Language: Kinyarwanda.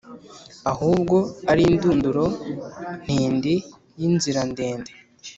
Ahubwo ari indunduro ntindi Y’inzira ndende